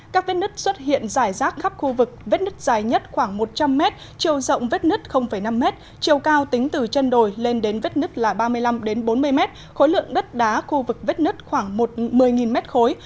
các vết nứt xuất hiện dài rác khắp khu vực vết nứt dài nhất khoảng một trăm linh mét chiều rộng vết nứt năm mét chiều cao tính từ chân đồi lên đến vết nứt là ba mươi năm bốn mươi mét khối lượng đất đá khu vực vết nứt khoảng một mươi mét khối